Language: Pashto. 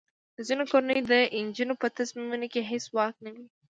د ځینو کورنیو د نجونو په تصمیمونو کې هیڅ واک نه وي.